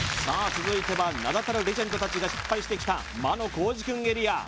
続いては名だたるレジェンド達が失敗してきた魔のコージくんエリア